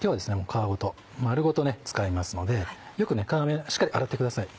皮ごと丸ごと使いますのでよく皮目しっかり洗ってください。